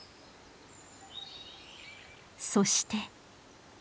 そして。